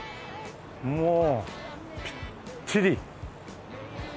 もうぴっちり。